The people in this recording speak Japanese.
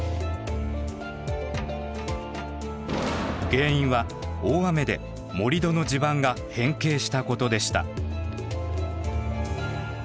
原因は大雨で盛り土の地盤が変形したことでした。